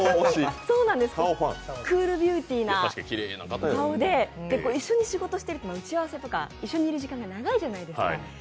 クールビューティーな顔で、一緒に仕事してると打ち合わせとか一緒にいる時間が長いじゃないですか？